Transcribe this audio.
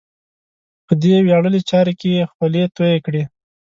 په دې ویاړلې چارې کې یې خولې تویې کړې.